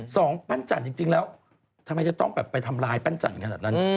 สองปั้นจันทร์จริงแล้วทำไมจะต้องแบบไปทำร้ายปั้นจันทร์ขนาดนั้น